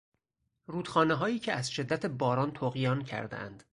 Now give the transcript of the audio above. رودخانههایی که از شدت باران طغیان کردهاند